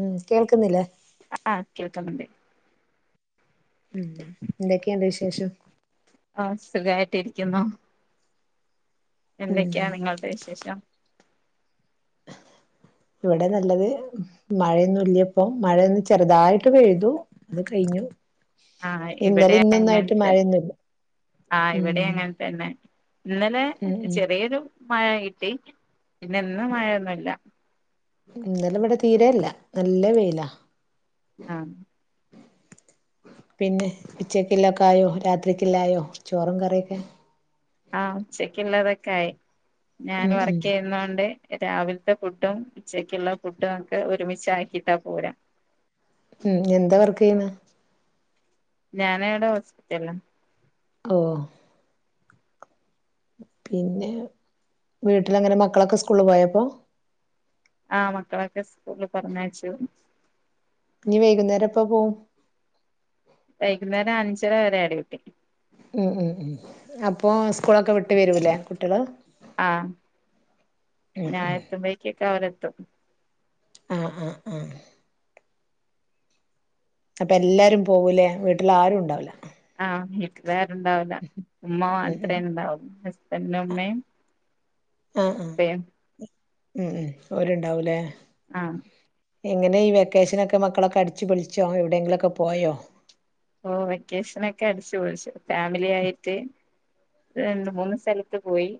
ഉം കേൾക്കുന്നില്ലേ ആഹ് കേൾക്കുന്നുണ്ടേ ഉം എന്തൊക്കെയണ്ട് വിശേഷം ആഹ് സുഖായിട്ടിരിക്കുന്നു ഉം എന്തൊക്കെയാണ് നിങ്ങളുടെ വിശേഷം. ഇവിടെ നല്ലത് മഴയൊന്നും ഇല്ലപ്പ, മഴയൊന്ന് ചെറുതായിട്ട് പെയ്തു അത് കഴിഞ്ഞു. ആ ഇന്നലെ ഇവിടെ ഇന്നൊന്നായിട്ട് അങ്ങനെതന്നെ മഴയൊന്നുല്ല ആ ഉം ഇവിടെ അങ്ങനെ തന്നെ ഇന്നലെ ഉം ഉം ചെറിയൊരു മഴ കിട്ടി പിന്നെ ഇന്ന് മഴയൊന്നുല്ല. ഇന്നലെ ഇവിടെ തീരല്ല. നല്ല വെയിലാ ആ പിന്നെ ഉച്ചക്കില്ലക്കായോ രാത്രിക്കില്ലായോ ചോറും കറിയക്കെ. ഒക്കെ ആയി ഞാൻ ഉം ഉം വർക്ക് ചെയ്യുന്നൊണ്ട്. രാവിൽത്തെ ഫുഡും ഉച്ചക്ക്ള്ള ഫുഡും ഒക്കെ ഒരുമിച്ചാക്കിട്ടാ പോര്അ ഉം എന്താ വർക്ക് ചെയ്യുന്നെ? ഞാന് ഇവിടെ ഹോസ്പിറ്റൽലാ. ഓഹ് പിന്നെ വീട്ടില് അങ്ങനെ മക്കളൊക്കെ സ്കൂള് പോയോ പ്പോ ആഹ് മക്കളൊക്കെ സ്കൂള് പറഞ്ഞയച്ചു ഇഞ്ഞ് വൈകുന്നേരം എപ്പോ പോവും? വൈകുന്നേരം അഞ്ചര വരെ ഡ്യൂട്ടി. ഉം ഉം ഉം അപ്പൊ സ് ക്കൂളൊക്കെ വിട്ട് വരൂല്ലേ കുട്ട്യള് ആഹ് ഉം ഉം ത്തും. ആഹ് ആ ആ അപ്പൊ എല്ലാരും പോകൂലേ വീട്ടിൽ ആരും ഇണ്ടാവൂല ആഹ് വിട്ട്ലാര് രുണ്ടാവൂല്ല. ഉമ്മ ഉം മാത്രേ ഉം ഉണ്ടാവൂ ഹസ്ബന്റിന്റെ ഉമ്മയും ആഹ് ആഹ് ഉപ്പയും. ഉം ഉം ഒര്ണ്ടാവൂലേ ആഹ് എങ്ങനെ ഈ വെക്കേഷനൊക്കെ മക്കളൊക്കെ അടിച്ചു പോളിച്ചോ എവ് ഓ വെക്കേഷനൊക്കെ അടിച്ചു പൊളിച്ചു. ഫാമിലി ആയിട്ട് രണ്ട് മൂന്ന് സ്ഥലത്ത് പോയി.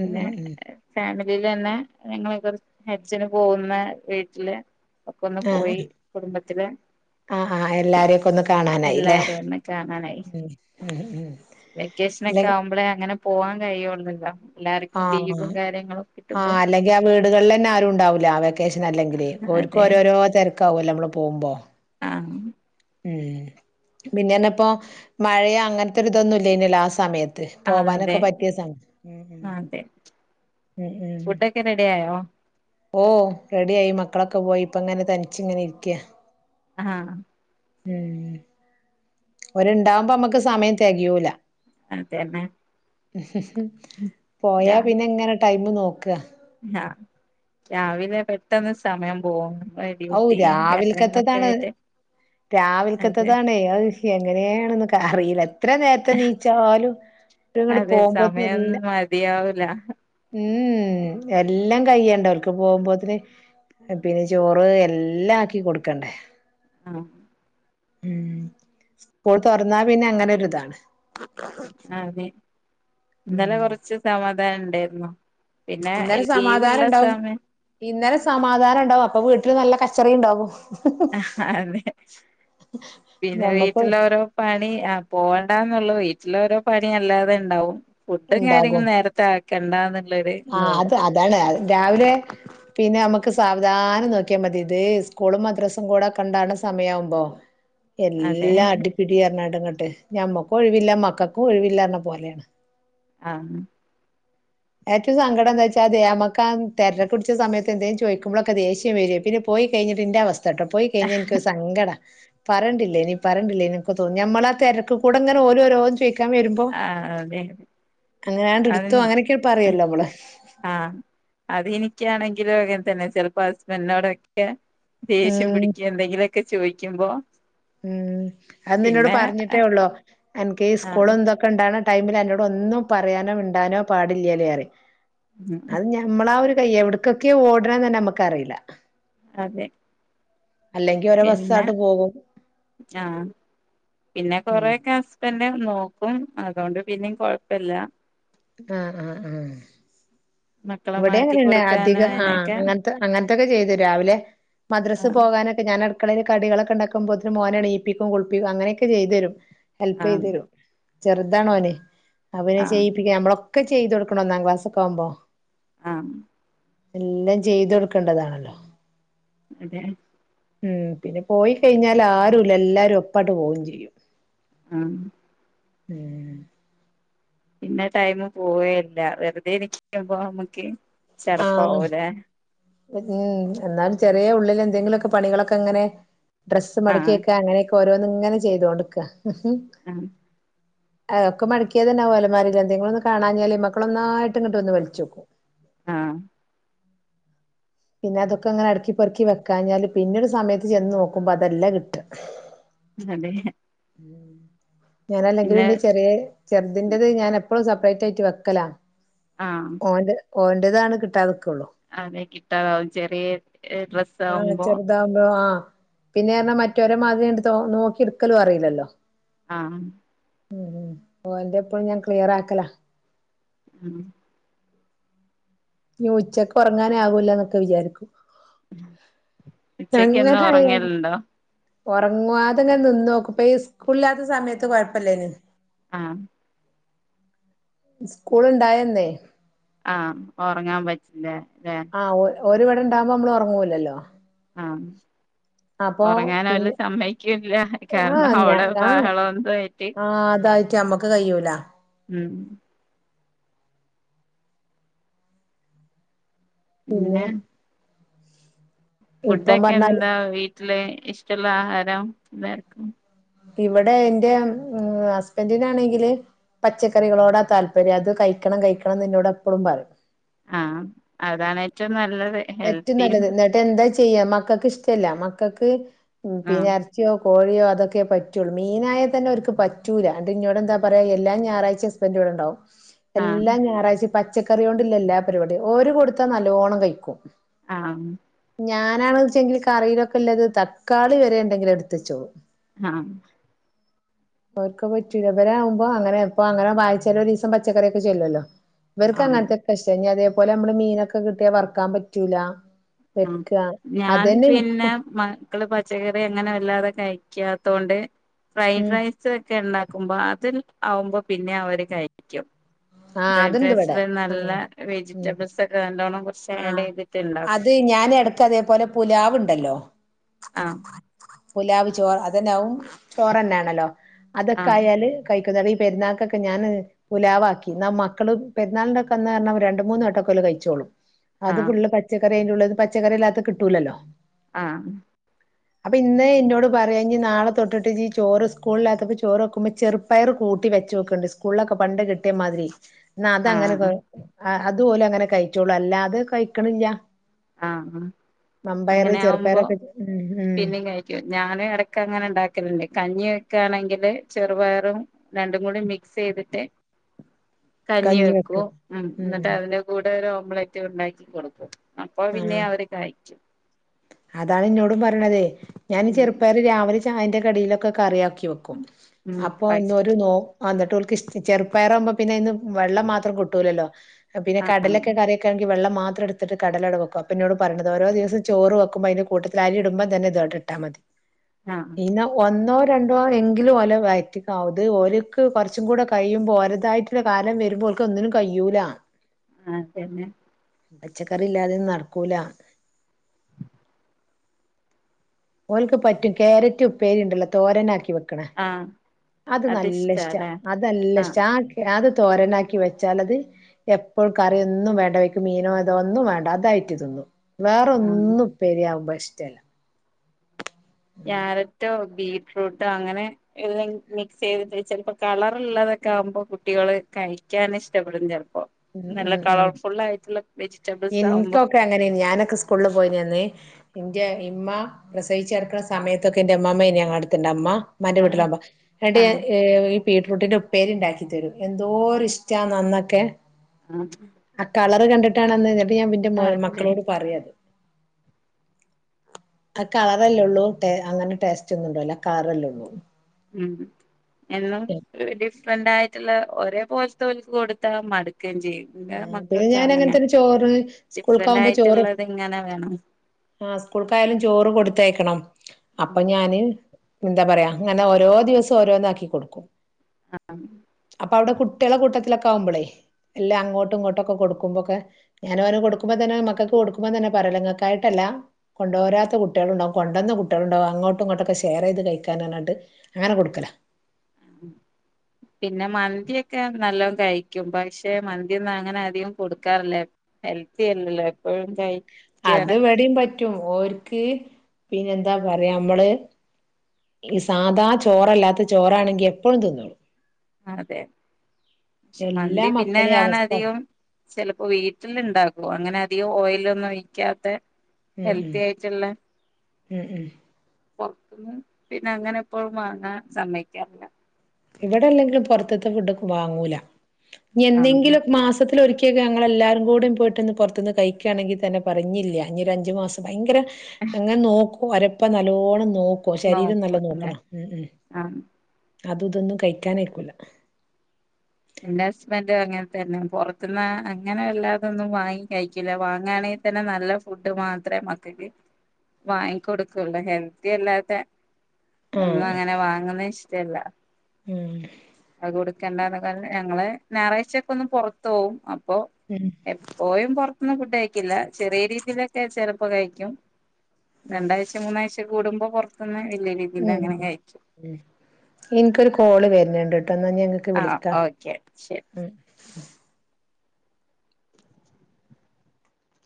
ഉം ഉം ഉം [unintelligible] ഇതിലന്നെ ഞങ്ങളക്കെ ഹജ്ജിന് പോവുന്ന വീട്ടില് ഒക്കെ ഒന്ന് ആ പോയി കുടുംബത്തില് ആ ആ എല്ലാരയൊക്കൊന്ന് ക എല്ലാരെയൊന്ന് കാണാനായി ഉം ഉം അല്ലെ വെക്കേഷനക്കെ ആവുമ്പളെ അങ്ങനെ പോവാ കഴിയൊന്നുല്ലാ ആഹ് ആ അല്ലെങ്കി ആ വീടുകളിലന്നെ ആരുണ്ടാവൂല്ല വെക്കേഷനല്ലെങ്കില് ഓര്ക്കും അതെ ഓരോരോ തെരക്കാവല്ലെ അമ്മള് പോവുമ്പോ ഉം ഉം പിന്നന്നെപ്പോ മഴയൊ അങ്ങത്തൊരിതൊന്നു ഇല്ലേനിയല്ലോ ആ സമയ ത്ത് ആഹ് അതെ പോവാനൊക്കെ പറ്റിയ സമ ഉം ഉം ആഹ് അതെ ഉം ഉം ഫുഡൊക്കെ റെഡി ആയോ ഓ റെഡിയായി മക്കളൊക്കെ പോയി ഇപ്പങ്ങനെ തനിച്ച്ങ്ങനെ ഇരിക്കാ ആഹ് ഉം ഓര്ണ്ടാവുമ്പം നമ്മക്ക് സമയം തെകയൂല അതെന്നെ ഉം പോയാ പിന്നങ്ങനെ ടൈമ് നോക്കാ രാ രാവിലെ പെട്ടെന്ന് സമയം പോവും ഔ രാവില്ക്കത്തതാണ് അതെ രാവില്ക്കത്തതാണെ അയ്ശ് എങ്ങനേണ്ന്ന്ക്കറീല എത്ര നേര്ത്തെ നീച്ചാലും ഇത്ങ്ങട്ട് അതെ പോകുമ്പത്തിന് സമയം എല്ലാ മതിയാവൂല എല്ലം കഴിയണ്ടേ ഓൽക്ക് പോവുമ്പത്തിന് പിന്നെ ചോ റ് എല്ലാ ആക്കി കൊട്ക്കണ്ടെ ആഹ് ഉം പോയി തൊറന്നാ പിന്നെ അങ്ങനൊരിതാണ് [unintelligible] ഇന്നലെ ഉം കൊറച്ച് തമ ക്കാനുണ്ടാരുന്നു ഇന്നലെ സമാധാനണ്ടാവും ഇന്നലെ സമാധാനണ്ടാവും അപ്പം വീട്ടില് നല്ല കച്ച ച്ചറയിണ്ടാവും അഹ്ഹ അതെ പിന്നെ ഞമ്മക്ക് വീട്ടിലോരോ പണി പോണ്ടാന്നുള്ളതെ ള്ളോരോ പണി അല്ലാതെ ഇണ്ടാകും പുട്ടും കാര്യങ്ങളും നേരത്തെ ആ രണ്ടാമത്തെ അ അത് അതാണ് രാവിലെ പിന്നെ ഞമ്മക്ക് സ്കൂ സവധാനം നോക്യാ മതി ഇതേ സ്കൂളും മദ്രസേം കൂടെ ക്കണ്ടാണ് സമയാകുമ്പോ അതെ എല്ലാ അടി പിടി അർണാട്ട് ങ്ങട്ട് ഞമ്മക്കും ഒയിവില്ല മക്കക്കും ഒയിവില്ലാന്ന്പോലെയാണ് ആഹ് ഏറ്റവും സങ്കട എന്താച്ചാലെ ഞമ്മക്കാ തെരക്കുപിടിച്ച സമയത്തെന്തേലും ചോയ്കുമ്പളൊക്കെ ദേഷ്യം വരും പിന്നെ പോയി കഴിഞ്ഞിട്ട് ന്റെ അവസ്‌ ച്ചട്ട പോയി കഴിഞ്ഞ എനിക്കൊരു സങ്കടാ പറേണ്ടില്ലനില്ലേനു പറേണ്ടില്ലേനി ഇപ്പൊ തോന്നും ഞമ്മള ആ തെരക്ക് കൂടെ ഇങ്ങനെ ഓരോരോ ചോയ് ക്കാൻ വരുമ്പോ ആ അതെ അല്ലാണ്ടെടുത്തോ അങ്ങനെ അത് പറയ്‌ എല്ലാം കൂടെ ബി ഇനിക്കാണങ്കിലും അങ്ങനെത്തന്നെ ചെൽപം ഹസ്ബന്റിനോടൊക്കെ ദേഷ്യം ഉം പിടിക്കെ എന്തെങ്കിലൊക്കെ ഒക്കെ ചോയ്കുമ്പം ഉം അത് നിന്നോട് പറഞ്ഞിട്ടേ ഉള്ളോ എൻകേസ്‌ ആഹ് കൂളെന്തെക്കൊണ്ടാണ് ടൈമില് എന്നോടൊന്നും പറയാനോ മിണ്ടാനോ പാടില്ല്യാല്ലേ പറയും അത് ഞമ്മളായൊരു വയ്യ എവ്ട്ക്കൊക്കെയോ ഓടണ്ന്ന് തന്നെ അമ്മക്ക് അറീലാ അതെ അല്ലെങ്കി ഓരേ ബസ്സാട്ട് പോകും ആ പിന്ന ഉം കുറെയൊക്കെ ഹസ്ബൻ ന്നെ നോക്കും അതോണ്ട് പിന്നേയും കൊഴപ്പില്ല ആ ആ ആ മക്കളെ ഇവിടേം മാറ്റി അങ്ങനന്നെ കൊടുക്കാനും അധിക ആ അതിനൊക്കെ അങ്ങൻത്തെ അങ്ങൻത്തെക്കെ ചെയ്തേരും രാവിലെ മദ്രസെ ആഹ് പോകാനൊക്കെ ഞാനെടക് മക്കളിൽ കികളൊക്കെണ്ടാക്കുമ്പോത്തിന് മോന എണിയിപ്പിക്കും കുളിപ്പിക്കു അനെയൊക്കെ ചെയ്തെരും ഹെൽപ് ആഹ് ചെയ്തരും ചെറുതാണോന് അപ്പ പിന്നെ ആഹ് ചെയ്യിപ്പിക്ക നമ്മളൊ ഒക്കെ ചെയ്തൊടുക്കണം ഒന്നാം ക്ലാസ്ക്കൊ ആവുമ്പോ ആഹ് എല്ലാം ചെയ്ത് കൊടുക്കണ്ടതാണല്ലോ അതെ ഉം പിന്നെ പോയി കഴിഞ്ഞാൽ ആരുല്ല എല്ലാരും ഒപ്പാട്ട് പോവും ചെയ്യും ആഹ ഉം പിന്നെ ടൈമ് പോവെല്ല വെർതെ ഇര്ക്കുമ്പം അമ്മക്ക് ആഹ് ചെടപ്പവുല്ലെ ഉം എന്നാലും ചെറിയ ഉള്ളിൽ എന്തെങ്കിലുമൊക്കെ പണികളൊക്കെങ്ങനെ ഡ്രസ്സ് ആഹ് മടക്കിയക്കെ അങ്ങനെ ഓരോന്ന്ങ്ങനെ ചെയ്തോണ്ട്ക്കാ ആഹ് ആഹ് ഒക്കെ മടക്കിയതന്നാവും അലമാരില് എന്തേങ്കിലൊന്ന് കാണാഞ്ഞാൽ മക്കളൊന്നായിട്ട് ഇങ്ങട്ട് വൽചോക്കും ആഹ് പിന്നെ അതൊക്കെങ്ങനെ അട്ക്കി പെർക്കി വെക്കാഞ്ഞാല് പിന്നൊരു സമയത്ത് ചെന്ന് നോക്കുമ്പോ അതെല്ല കിട്ട അതെ ഉം ഞാന അല്ലങ്കും പിന്നെ ഇന്റെ ചെറിയ ചെറ്ത് ന്റത് ഞാൻ പ്പളും സെപ്പറേറ്റായിട്ട് വെക്കല ആഹ് ഓന്റേതാണ് കിട്ടാ അതെക്കി ആ ചെറിയ ഡ്രസ്സ് ആകുമ്പോ ആ പിന്നെ മറ്റവരെ മാതിരി നോക്കി എടുക്കലും അറിയില്ലല്ലോ ആ ഓ എന്റെ എപ്പഴും ഞാൻ ക്ലിയർ ആക്കല ഉം ഉച്ചക്ക് ഉറങ്ങാനാ ആകൂല്ലന്നൊക്കെ വിചാരിക്കും ഉച്ചക്ക് എന്നും എങ്ങനെ ഉറങ്ങയൽ ആയാലും ഉണ്ടോ ഉറങ്ങാതെ ഇങ്ങനെ നിന്ന നോക്കും ഇപ്പ ഈ സ്കൂളില്ലാത്ത സമയത്ത് കൊഴപ്പമില്ലാരുന്നു ആ സ്കൂൾ ഇണ്ടായിരുന്നേ ആ ഉറങ്ങാൻ പറ്റയുംയില്ലേ ആ [unintelligible] ഓന് വിടണ്ടയുമ്പോ നമ്മള് ഉറങ്ങൂല്ലല്ലോ ആ ഉറങ്ങാന അവൾ പിന്നെ സമ്മതിക്കി- കില്ല ആ കാരണം ഞാ അവിടെ ആ ബഹളം ഒന്നും - ആ അതായിക്കും ഞമ്മക്ക് കഴിയൂല ഉം പിന്നെ ഇപ്പം പറഞ്ഞാല് ഫുഡെക്കെന്താ ഇ ട്ടിലെ ഇഷ്ടള്ള ആഹാരം എല്ലർക്കും ഇവിടെ എന്റെ ഹസ്ബന്റിനാണെങ്കില് പച്ചക്കറികളോടാ താല്പര്യം അത് കഴിക്കണം കഴിക്കണം ന്ന്ന്നോട് എപ്പളും പറയും ആഹ അതാണ് ഏറ്റവും നല്ലത് ഏറ്റും ഹെൽത്തിയും നല്ലത് ന്നട്ടെന്താ ചെയ്യാ മക്കക്ക് ഇഷ്ടല്ല മക്കക്ക് പിന്നെ ആഹ് എർച്യോ കോഴിയോ അതൊക്കെ പറ്റൊള്ളു മീനായാ തന്നെ ഓര്ക്ക് പറ്റൂല ണ്ട് ഇന്നോടെന്താ പറയ എല്ലാം ഞായറഴ്ച്ചിം ഹസ്ബന്റ് ഇവിടെണ്ടാവും ആഹ് എല്ലാ ഞായറാഴ്ച്ചിം പച്ചക്കറ്യോണ്ടില്ലെ എല്ലാ പരിപാടി ഓര് കൊടുത്താ നല്ലോണം കഴിക്കും ആഹ ഞാനാണച്ചെങ്കി കറിയിലൊക്കെല്ലത് തക്കാളി വരെ ണ്ടെങ്കിലെട്ത്തെച്ചോളും ആഹ അവർക്ക് അഹ് പറ്റൂല വരാവുമ്പം അങ്ങനെ ഇപ്പ അങ്ങനെ വായിച്ചലൊരീസം പച്ചക്കറ്യോക്കെ ചെല്ലല്ലോ ഇവര്ക്ക് ആഹ് അങ്ങൻത്തൊകെ ഇഷ്ട ഇനി അതെ പൊലെ പൊലമ്മള് മീനൊക്കെ കിട്ട്യാ വർക്കാൻ പറ്റു റ്റൂല ആ ഞാൻ പിന്നെ മക്കള് പച്ചക്കറി അങ്ങനെ വല്ലാതെകെയായി ക്ക്യാത്തോണ്ട് ഫ്രൈഡ് ഉം റൈസ് ഒക്കെ ഉണ്ടാക് പോകുമ്പോ അതിൽ ആവുമ്പോ പിന്നെ അവര് കഴിക്കും ആഹ് ഫ്രൈഡ് അതുണ്ട് ഇവിടെ റൈസില് ആഹ് നല്ല ഉം വെജിറ്റബിൾസ് ഒക്കെ നല്ലോണ്ണം കുറച്ച് ആഡ് ചെയ്തിട്ട്ണ്ടാക്ക അടുക്ക അതേപോലെ പുലാവുണ്ടല്ലോ ആ ഗുലാബ് ചോറ് അതന്നാവും ചോറ്ന്നെയ ആണല്ലോ അതൊക്കെ ആഹ് ആയാൽ കൈ ഇതനെ പെരുന്നാൾ ഒക്കെ പുലാവാക്കി എന്നാ മക്കള് പെരുന്നാളി അന്ന് പറഞ്ഞണം രണ്ട് മൂന്ന് വട്ടൊക്കെല്ല കഴിച്ചോളും അത് ആഹ് ഫുള്ള് പച്ചക്കറി ഉള്ളത് പച്ചക്കറി എല്ലാത്ത കിട്ടൂലല്ലോ ആഹ് അപ്പൊ ഇന്ന് ഇനോട് പറയാണ് നാളെ തൊട്ടിട്ട് ഇജ് ചോറ് സ്കൂളിലകത്തപ്പോൾ ചോറ് വെക്കുമ്പോ ചെറുപ്പയർ കൂട്ടി വെച്ച് നോക്കണ്ട് സ്കൂളിലക്കെ പണ്ട് കിട്ടി മാതിരി എന്ന അതങ്ങനെ ആ ആഹ് അത് അതുപോലെ അങ്ങനെ കഴിച്ചോള്ളൂ അല്ലാതെ കഴിക്കണില്ല ആഹ വമ്പയറ് അങ്ങനെ ആവുമ്പോ ചെറുപ്പയറൊക്കെ ഉം ഉം പിന്നിം കഴിക്കും ഞാനും ഇടക്ക് അങ്ങനെ ഉണ്ടാക്കലുണ്ട് കഞ്ഞി വെക്കയാണെങ്കില് ചെറുപയറും രണ്ടും കൂടി മിക്സ് ചെയ്തിട്ട് കഞ്ഞി വെക്കൂ ഉ ഉം എന്നിട്ട് ഉം അതിന്റെ കൂടെ ഒരു നമ്മളക്കെ ഉണ്ടാക്കി കൊടുക്കും അപ്പൊ പിന്നെ ആഹ് അവര് കഴിക്കും അതാണ് ഇന്നോടും പറയണത് ഞാൻ ഉം ചെറുപ്പയർ രാവിലെ ചായേന്റെ കടിയിലൊക്കെ കറിയാക്കും വെക്കും ഉം അപ്പൊ ഇ നോ വിട്ട് ട്ടക്ക് ചെറുപ്പയംവുമ്പോ പിന്നെ ഇന്ന് വെള്ളം മാത്രം കിട്ടൂലല്ലോ പിന്നെ ആഹ് കടലൊക്കെ കറിയക്കാണെങ്കിൽ വെള്ളം മാത്രം എടുത്തിട്ട് കടല വെക്കും അപ്പെ ഇനോട് പറഞ്ഞത് ചോറ് വക്കെ കുമ്പേ അതിന്റെ കൂട്ടൽ അരി ഇടുമ്പോ ഇതങ്ങ് ഇട്ടാ മതി ആഹ് ഇന്ന ഒന്നോ രണ്ടണം എങ്കിലും ഒലെ വറ്റിക്കാവത് ഇത് ഓൽക്ക് കുറച്ചും കൂടെ കഴിയുമ്പോൾ ഒലതായിട്ടുള്ള കാലം വരുമ്പോ ഒൽക്ക് ഒന്നിനും കഴിയൂല ആ തന്നെ പച്ചക്കറി ഇല്ലാതെന്നും നടക്കൂല ഓൽക്ക് പറ്റും ക്യാരറ്റ് ഉപ്പേരി ഉണ്ടല്ലോ തോരനാക്കി വെക്കും ആഹ് അത് നല്ല ഇഷ്ട അതിഷ്ടാല്ലേ അത് നല്ല ആഹ് ഇഷ്ട അത് തോരനാക്കി വെച്ചാൽ അത് എപ്പോഴും കറിയൊന്നും വേണ്ട വെക്കും മീനോ ഇതോ ഒന്നും വേണ്ട അതായിട്ട് തിന്നു വേറെ ആഹ് ഒന്നും ഉപേരിയാവുമ്പോ ഇഷ്ട്ടമല്ല ക്യാരറ്റോ, ബീ ഫ്രൂട്ടും, അങ്ങനെ ഇത് മിക്സ് ചെയ്തിട്ട് ചിലപ്പോ കളർള്ളാതൊക്കെ ആകുമ്പോൾ കുട്ടികൾ കഴിക്കാൻ ഇഷ്ടപ്പെടും ചിലപ്പോ. ഉം, ഉം, ഉം വെജിറ്റബിൾസ് ആവുമ്പോ എനിക്കൊക്കെ അങ്ങനെ ഞാനൊക്കെ സ്കൂളില് പോയിന്നേ എന്റെ ഇമ്മ പ്രസവിച്ച് കിടക്കുന്ന സമയത്തൊക്കെ എന്റെ അമ്മാമ്മ ഇനി ഞങ്ങടെ അടുത്തണ്ട അമ്മ മാമാന്റെ ആഹ് വീട്ടിലാവുമ്പോ ആഹ് ബീറ്റ്റൂട്ടിന്റെ ഉപ്പേരി ഉണ്ടാക്കി തരും, എന്തോര് ഇഷ്ടാ അന്നൊക്കെ ആ കണ്ടിട്ടാണ് ഞാൻ പിന്നെ പോയി മക്കളോട് പറയുവായിരുന്നു. അ കളറല്ലേ ഉള്ളൂ അങ്ങനെ ടേസ്റ്റ് ഒന്നും ഉണ്ടാവില്ല, കറല്ലേള്ളൂ ഉം എന്നും ഇടക്ക് ഉണ്ടായിട്ടുള്ള [unintelligible] ആ പിന്നെ ഞാൻ അങ്ങനത്തെൊരു ചോറ്, സ്കൂൾക്ക് ഡിഫറന്റ് ആവുമ്പോ ചോറ്, ആയിട്ടുള്ളത് ഇങ്ങനെ വേണം ആ, കൊടുത്തയക്കണം അപ്പൊ ഉം ഞാന് എന്താ പറയാ അങ്ങനെ ഓരോ ദിവസം ഓരോന്നാക്കി കൊടുക്കും. അപ്പൊ അവിടെ കുട്ടികളെ കൂട്ടത്തിലൊക്കെ ആകുമ്പോളേ എല്ലാം അങ്ങോട്ടും ഇങ്ങോട്ടക്കെ കൊടുക്കുമ്പോക്കെ ഞാൻ അവന് കൊടുക്കുമ്പോ തന്നെ മക്കക്ക് കൊടുക്കുമ്പോ തന്നെ പറ നിങ്ങൾക്കായിട്ടല്ല കൊണ്ടു പോരാത്ത കുട്ടികളുണ്ടാവകും കൊണ്ടന്ന കുട്ടികളുണ്ടാവും അങ്ങോട്ടും ഇങ്ങോട്ടൊക്കെ ഷെയർ ചെയ്ത് കഴിക്കാനായിട്ട് അങ്ങനെ കൊടുക്കല. പിന്നെ മന്തിയൊക്കെ നല്ലോ കഴിക്കും, പക്ഷെ മന്തി ഒന്നും അങ്ങനെ അധികം കൊടുക്കാറില്ല ഹെൽത്തി അല്ലല്ലോ എപ്പോഴും കഴ അത് ഇവിടെയും പറ്റും ഓർക്ക് പിന്നെ എന്താ പറയാ നമ്മള്, ഈ സാധാ ചോറല്ലാത്ത ചോറാണെങ്കി എപ്പോഴും തിന്നോളൂ. അതെ പക്ഷെ എല്ലാ മന്തി പിന്നെ മക്കളെയും ഞൻ അവസ്ഥ അധികം ഉം ചിലപ്പോ വീട്ടിൽ ഉണ്ടാക്കും, അങ്ങനെ അധികം ഓയിലൊന്നും ഒഴിക്കാത്തെ ഉം ഹെൽത്തി ആയിട്ടുള്ളേ ഉം ഉം [unintelligible] പിന്നെ അങ്ങനെ എപ്പോഴും വാങ്ങാൻ സമ്മയിക്കാറില്ല. ഇവിടെ അല്ലെങ്കിലും പുറത്തത്തെ ഫുഡൊക്കെ വാങ്ങൂല ആഹ് എന്തെങ്കിലും മാസത്തി ആണ്ടിലൊരിക്കൊക്ക ഞങ്ങളെല്ലാവരും കൂടി പോയിട്ടൊന്ന് പുറത്തുന്ന് കഴിക്കുകയാണെങ്കിൽ തന്നെ പറയും ഇനി ഒരു അഞ്ച് മാസം ഭയങ്കര അങ്ങനെ നോക്കും വരപ്പ നല്ലോണം നോക്കും ശരീരം നല്ല നോക്കും ല്ലേ നോക്കണം ഉം ആഹ് അത് ഇതൊന്നും കഴിക്കാനിരിക്കൂലന്നെ എന്റെ ഹസ്ബൻഡ അങ്ങനെ തന്നെ പുറത്തുന്ന് അങ്ങനെ അല്ലാതൊന്നും വാങ്ങി കഴിക്കില്ല, വാങ്ങാണെങ്കിൽ തന്നെ നല്ല ഫുഡ് മാത്രേ മക്കൾക്ക് വാങ്ങിക്കൊടുക്കുള്ളൂ ഹെൽത്തി അല്ലാത്തെ ഒന്ന് ആഹ് അങ്ങനെ വാങ്ങുന്ന ഇഷ് ചെല്ല ഉം കൊടുക്കണ്ട ന്നൊക്കെ ഞങ്ങള് ഞായറാഴ്ച ഒക്കെ ഒന്ന് പൊറത്ത് പോവും ഉം എപ്പോഴും പുറത്ത് നിന്ന് ഫുഡ് കഴിക്കില്ല. ചെറിയ രീതിയിൽ ചെലപ്പോ കഴിക്കും രണ്ടാഴ്ച മൂന്നാഴ്ച കൂടുമ്പം പൊറുത്തുനിന്ന് ഉം ഇൻക്ക് ഒരു കോൾ വരുന്നു ഞാൻ ഇങ്ങൾക്ക് ആ വിളിക്ക ഓക്കെ ശരി